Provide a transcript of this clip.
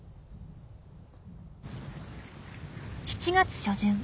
７月初旬。